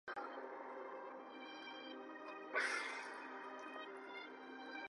第三位置主义的实践往往涉及到国家最基本政体的变化。